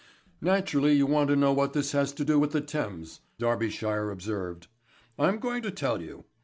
"Naturally you want to know what this has to do with the Thames," Darbyshire observed. "I'm going to tell you.